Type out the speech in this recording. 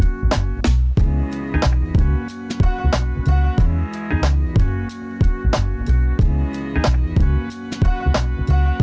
มันจะดังอยู่นิดหนึ่งเลยนะมันไม่ได้เศรษฐ์ก็ดัง